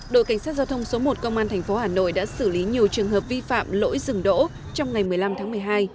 đội cảnh sát giao thông số một công an tp hà nội đã xử lý nhiều trường hợp vi phạm lỗi dừng đỗ trong ngày một mươi năm tháng một mươi hai